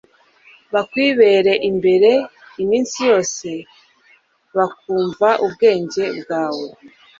bakwibera imbere iminsi yose, bakumva ubwenge bwawe